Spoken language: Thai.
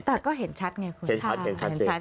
แต่ก็เห็นชัดไงคุณค่ะ